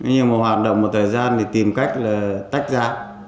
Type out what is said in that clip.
nhưng mà hoạt động một thời gian thì tìm cách là tách ra